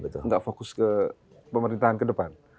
tidak fokus ke pemerintahan ke depan